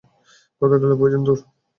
কত ডলার প্রয়োজন তোর?